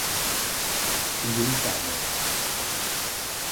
juntada